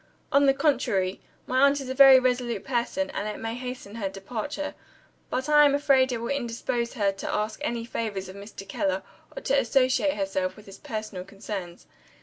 "On the contrary. My aunt is a very resolute person, and it may hasten her departure. But I am afraid it will indispose her to ask any favors of Mr. Keller, or to associate herself with his personal concerns.